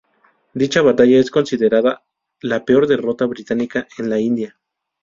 Dicha batalla es considerada la peor derrota británica en la India.